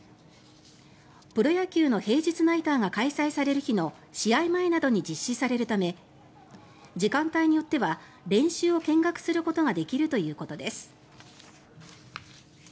プロ野球の平日ナイターが開催される日の試合前などに実施されるため時間帯によっては練習を見学することができるということです。